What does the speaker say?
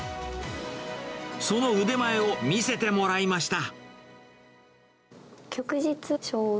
その腕前を見せてもらいました。